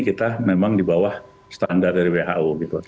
kita memang di bawah standar dari who